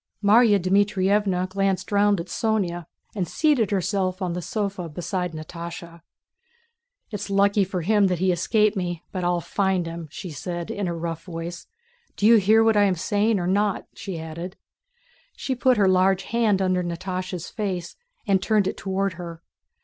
Márya Dmítrievna glanced round at Sónya and seated herself on the sofa beside Natásha. "It's lucky for him that he escaped me; but I'll find him!" she said in her rough voice. "Do you hear what I am saying or not?" she added. She put her large hand under Natásha's face and turned it toward her.